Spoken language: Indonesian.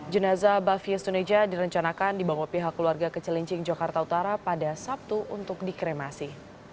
jenazah bavius tuneja direncanakan dibawa pihak keluarga ke celincing jakarta utara pada sabtu untuk dikremasi